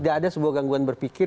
tidak ada sebuah gangguan berpikir